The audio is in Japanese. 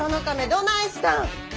どないしたん？